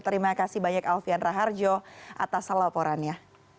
terima kasih banyak alfian raharjo atas laporannya